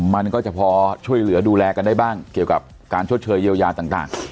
มันก็จะพอช่วยเหลือดูแลกันได้บ้างเกี่ยวกับการชดเชยเยียวยาต่าง